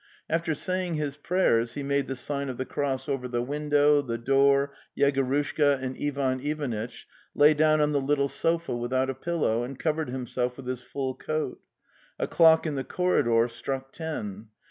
After saying his prayers he made the sign of the cross over the window, the door, Yegorushka, and Ivan Ivanitch, lay down on the little sofa without a pillow, and covered himself with his full coat. A clock in the corridor struck ten.